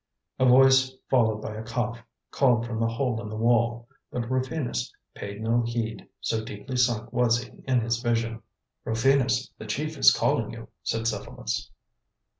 A voice, followed by a cough, called from the hole in the wall; but Rufinus paid no heed, so deeply sunk was he in his vision. "Rufinus, the Chief is calling you," said Cephalus.